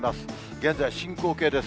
現在進行形です。